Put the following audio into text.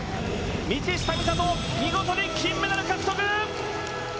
道下美里、見事に金メダル獲得！